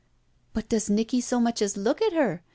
"But does Nicky so much as look at her?